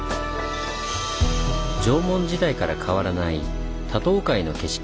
縄文時代から変わらない多島海の景色。